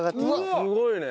すごいね！